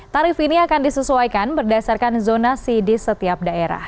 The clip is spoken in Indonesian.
tarif ini akan disesuaikan berdasarkan zonasi di setiap daerah